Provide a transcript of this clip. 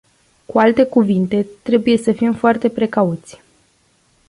Cu alte cuvinte, trebuie să fim foarte precauți.